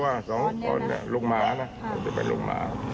วัน๑๔๑๕แต่ว่า๒คนลูกหมานะมันจะเป็นลูกหมา